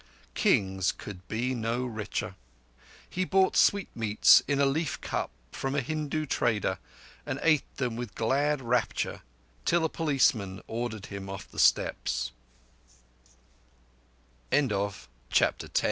Kings could be no richer. He bought sweetmeats in a leaf cup from a Hindu trader, and ate them with glad rapture till a policeman ordered him off